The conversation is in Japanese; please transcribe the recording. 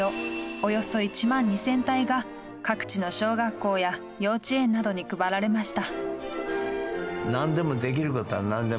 およそ１万２０００体が各地の小学校や幼稚園などに配られました。